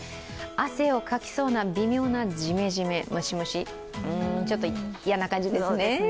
汗をかきそうな微妙なジメジメ、ムシムシ、嫌な感じですね。